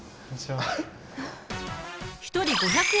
一人５００円